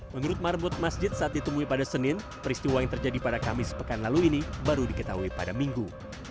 menurut marbut masjid saat ditemui pada senin peristiwa yang terjadi pada kamis pekan lalu ini baru diketahui pada minggu